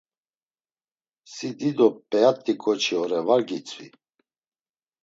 Si dido p̌eat̆i ǩoçi ore var gitzvi.